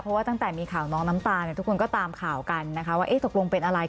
เพราะว่าตั้งแต่มีข่าวน้องน้ำตาลทุกคนก็ตามข่าวกันนะคะว่าตกลงเป็นอะไร